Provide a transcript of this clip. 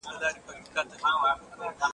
موږ باید باطل ته تسلیم نه سو.